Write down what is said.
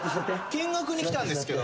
見学に来たんですけど。